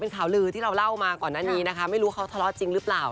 ข่าวลือที่เราเล่ามาก่อนหน้านี้นะคะไม่รู้เขาทะเลาะจริงหรือเปล่า